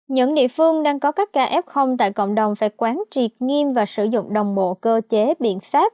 những địa phương đang có các ca f tại cộng đồng phải quán triệt nghiêm và sử dụng đồng bộ cơ chế biện pháp